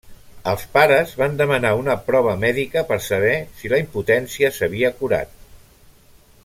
Els pares van demanar una prova mèdica per saber si la impotència s'havia curat.